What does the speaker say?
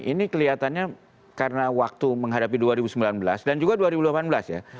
ini kelihatannya karena waktu menghadapi dua ribu sembilan belas dan juga dua ribu delapan belas ya